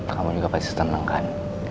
kamu juga pasti senang kan